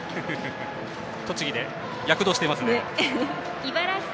栃木で躍動していますね。